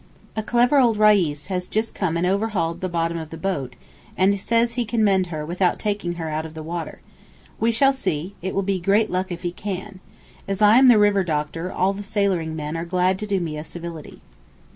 A clever old Reis has just come and over hauled the bottom of the boat, and says he can mend her without taking her out of the water. We shall see; it will be great luck if he can. As I am the river doctor, all the sailoring men are glad to do me a civility.